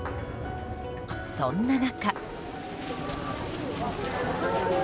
そんな中。